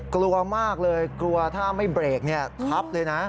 กลัวมากเลยกลัวถ้าไม่เบรกทับเลยนะ